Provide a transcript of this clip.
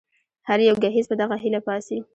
هر يو ګهيځ په دغه هيله پاڅي